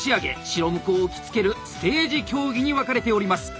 白無垢を着付ける「ステージ競技」に分かれております。